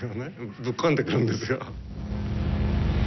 ぶっ込んでくるんですよ。